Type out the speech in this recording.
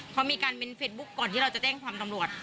เขามีการเน้นเฟสบุ๊คก่อนที่เราจะแจ้งความตำรวจ